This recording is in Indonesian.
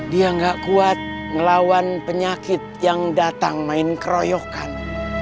dia gak kuat ngelawan penyakit yang datang main keroyokan